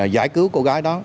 giải cứu cô gái đó